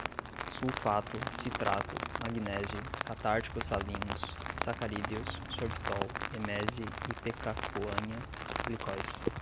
sulfato, citrato, magnésio, catárticos salinos, sacarídeos, sorbitol, emese, ipecacuanha, glicóis